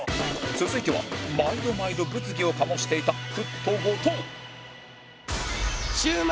続いては毎度毎度物議を醸していたフット後藤